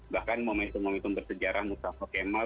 bahkan momentum momentum bersejarah mustafa kemal